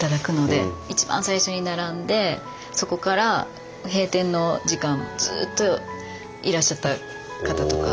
一番最初に並んでそこから閉店の時間ずっといらっしゃった方とか。